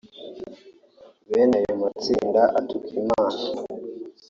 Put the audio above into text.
Bene ayo matsinda atuka Imana